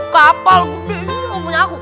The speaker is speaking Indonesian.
kapal gede ini mau punya aku